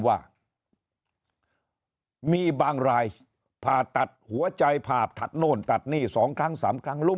ว่ามีบางรายผ่าตัดหัวใจผ่าตัดโน่นตัดนี่๒ครั้ง๓ครั้งลุ่ม